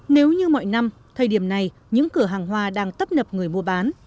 nếu như mọi năm thời điểm này những cửa hàng hoa đang tấp nập người mua bán